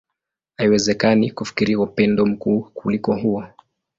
Haiwezekani kufikiria upendo mkuu kuliko huo.